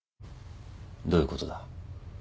どういうことだ？